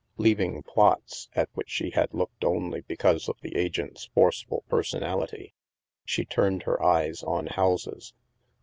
Leaving plots (at which she had looked only be cause of the agent's forceful personality), she turned her eyes on houses.